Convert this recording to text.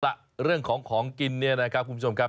ล่ะเรื่องของของกินเนี่ยนะครับคุณผู้ชมครับ